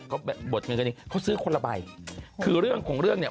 เขาแบบบดเงินกันจริงเขาซื้อคนละใบคือเรื่องของเรื่องเนี่ย